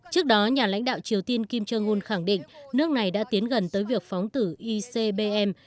trước đó nhà lãnh đạo triều tiên kim jong un khẳng định nước này đã tiến gần tới việc phóng tử icbm